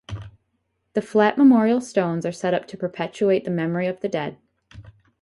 The flat memorial stones are set up to perpetuate the memory of the dead.